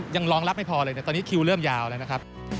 รองรับไม่พอเลยนะตอนนี้คิวเริ่มยาวแล้วนะครับ